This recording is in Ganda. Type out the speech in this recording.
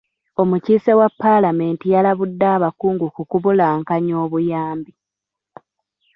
Omukiise wa paalamenti yalabudde abakungu ku kubulankanya obuyambi.